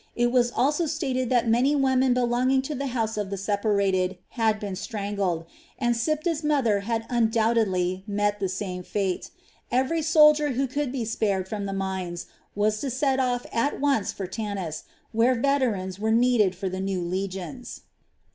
It was also stated that many women belonging to the House of the Separated had been strangled; and Siptah's mother had undoubtedly met the same fate. Every soldier who could be spared from the mines was to set off at once for Tanis, where veterans were needed for the new legions.